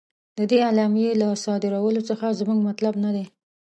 د دې اعلامیې له صادرولو څخه زموږ مطلب نه دی.